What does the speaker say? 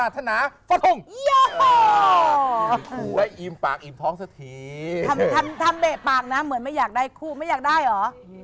ทำเบะปากนะเหมือนไม่อยากได้คู่ไม่อยากได้หรอ